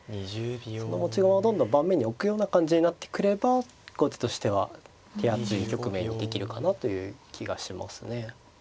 その持ち駒をどんどん盤面に置くような感じになってくれば後手としては手厚い局面にできるかなという気がしますね。